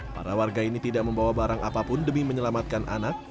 para warga ini tidak membawa barang apapun demi menyelamatkan anak